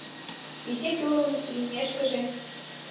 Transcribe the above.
Изи тулын лиймешкыже